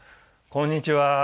こんにちは。